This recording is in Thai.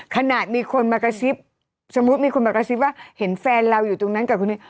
ขนาดมีคนมากระซิบสมมุติมีคนมากระซิบว่าเห็นแฟนเราอยู่ตรงนั้นกับคนนี้